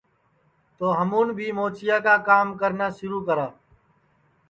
تو ہمون بھی موچیا کا کرنا سِرو کرا